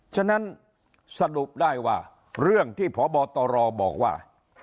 ฉะนั้นสรุปได้ว่าเรื่องที่พบตรบอกว่า